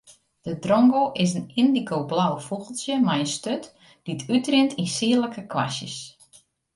De drongo is in yndigoblau fûgeltsje mei in sturt dy't útrint yn sierlike kwastjes.